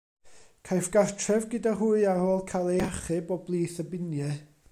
Caiff gartref gyda hwy ar ôl cael ei hachub o blith y biniau.